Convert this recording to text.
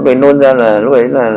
cái nôn ra là